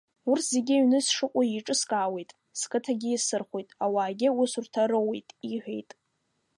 Урҭ зегьы аҩны сшыҟоу еиҿыскаауеит, сқыҭагьы иасырхәоит, ауаагьы аусурҭа роуеит, — иҳәеит.